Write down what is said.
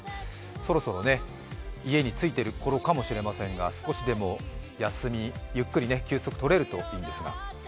そろそろ家に着いているころかもしれませんが少しでも休み、ゆっくり休息取れるといいんですが。